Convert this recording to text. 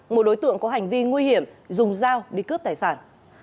một đối tượng có hành vi nguy hiểm dùng dao đi cướp tài sản